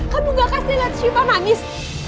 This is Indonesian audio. kamu gak kasih lihat sifah nangis